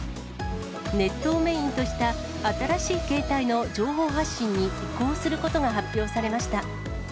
ネットをメインとした新しい形態の情報発信に移行することが発表されました。